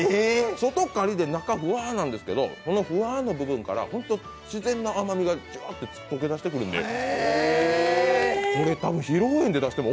外カリで中ふわなんですけど、そのふわの部分から自然な甘みがジュワッと溶け出してくるっていう。